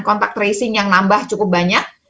kontak tracing yang nambah cukup banyak